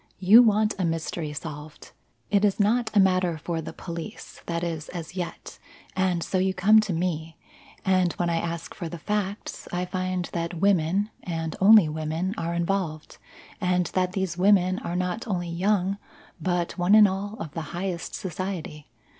You want a mystery solved. It is not a matter for the police that is, as yet, and so you come to me, and when I ask for the facts, I find that women and only women are involved, and that these women are not only young but one and all of the highest society.